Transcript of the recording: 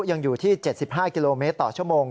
ยังอยู่ที่๗๕กิโลเมตรต่อชั่วโมง